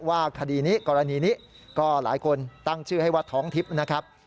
คดีนี้กรณีนี้ก็หลายคนตั้งชื่อให้ว่าท้องทิพย์นะครับ